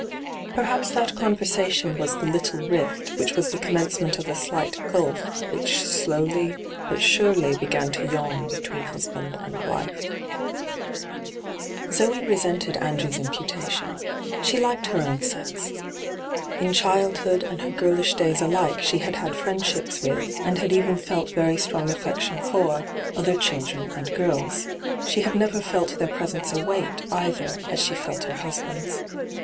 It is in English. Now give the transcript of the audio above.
Perhaps that conversation was the 'little rift ' which was the commencement of a slight gulf which slowly but surely b^an to yawn between husband and wife. Zoe resented Andrew's imputation. She liked her own sex. In childhood and her hyGoogIc 144 ENTRAPPED girlish days alike she had had friendships with, and had even felt very strong affectioa for, other children and girls. She had never felt their presence a weight, either, as she felt her husband's.